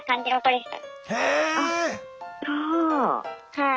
はい。